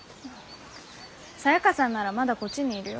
サヤカさんならまだこっちにいるよ。